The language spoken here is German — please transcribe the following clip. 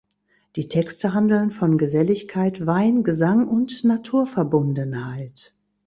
Die Texte handeln von Geselligkeit, Wein, Gesang und Naturverbundenheit.